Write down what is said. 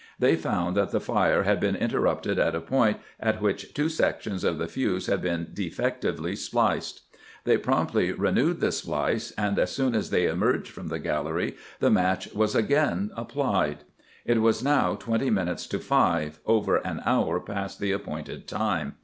They found that the fire had been interrupted at a point at which two sections of the fuse had been defectively sphced. They promptly re newed the splice, and as soon as they emerged from the gallery the match was again applied. It was now twenty minutes to five, over an hour past the appointed time.